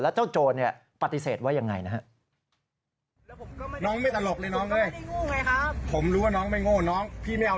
แล้วเจ้าโจรปฏิเสธว่ายังไงนะครับ